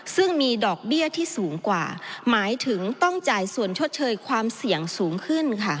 ซึ่งมีดอกเบี้ยที่สูงกว่าหมายถึงต้องจ่ายส่วนชดเชยความเสี่ยงสูงขึ้นค่ะ